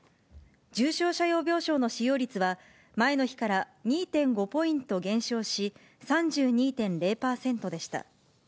重症者用病床の使用率は、前の日から２．５ポイント減少し、３２．０％でした。